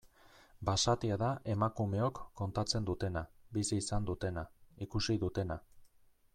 Basatia da emakumeok kontatzen dutena, bizi izan dutena, ikusi dutena.